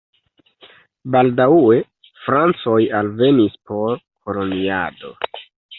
Baldaŭe francoj alvenis por koloniado.